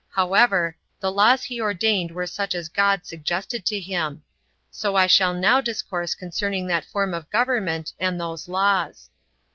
However, the laws he ordained were such as God suggested to him; so I shall now discourse concerning that form of government, and those laws.